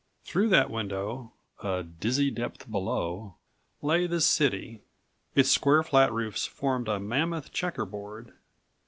Through that window, a dizzy depth below, lay the city. Its square, flat roofs formed a mammoth checker board.